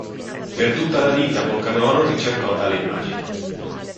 Per tutta la vita Boccadoro ricercò tale immagine.